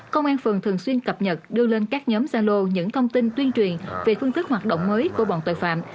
công an phường thường xuyên cập nhật đưa lên các nhóm gia lô những thông tin tuyên truyền về phương thức hoạt động mới của bọn tội phạm